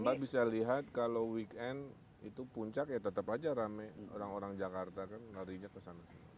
ya mbak bisa lihat kalau weekend itu puncak ya tetap aja rame orang orang jakarta kan larinya kesana